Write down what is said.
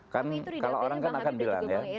kan kalau orang kan akan bilang ya